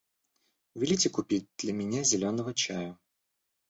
Велите купить для меня зеленого чаю.